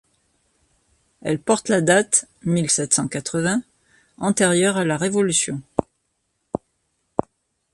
Elle porte la date — mille sept cent quatre-vingts — antérieure à la révolution.